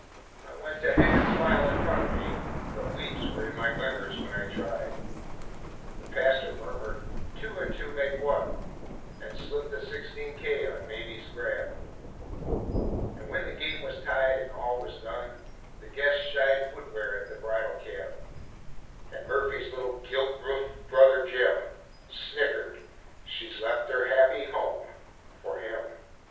I went to hang a smile in front of me, But weeps were in my glimmers when I tried. The pastor murmured, "Two and two make one," And slipped a sixteen K on Mamie's grab; And when the game was tied and all was done The guests shied footwear at the bridal cab, And Murphy's little gilt roofed brother Jim Snickered, "She's left her happy home for him."